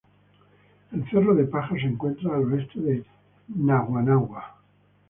El Cerro de Paja se encuentra al oeste de Naguanagua.